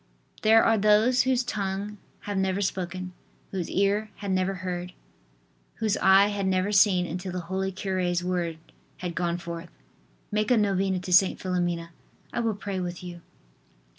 There are those whose tongue had never spoken, whose ear had never heard, whose eye had never seen until the holy cure's word had gone forth: "Make a novena to St. Philomena; I will pray with you."